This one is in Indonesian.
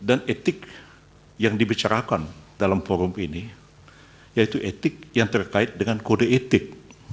dan etik yang dibicarakan dalam forum ini yaitu etik yang terkait dengan kode etik